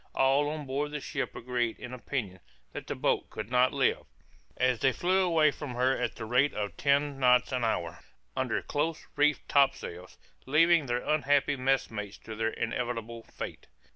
All on board the ship agreed in opinion that the boat could not live, as they flew away from her at the rate of ten knots an hour, under close reefed topsails, leaving their unhappy messmates to their inevitable fate.